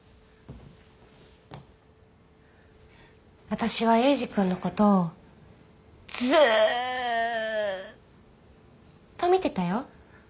私はエイジ君のことをずーっと見てたよ。